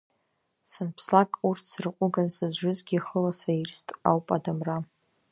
Санԥслак урҭ сырҟәыган сызжызгьы, хыла саирст ауп адамра.